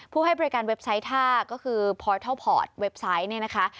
ให้บริการเว็บไซต์ท่าก็คือพลอยทัลพอร์ตเว็บไซต์เนี่ยนะคะ